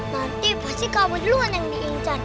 nanti pasti kamu duluan yang diincar